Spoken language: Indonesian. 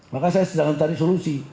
maka saya sedang mencari solusi